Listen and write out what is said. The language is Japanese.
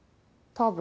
多分！？